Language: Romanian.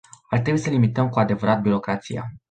Ar trebui să limităm cu adevărat birocrația.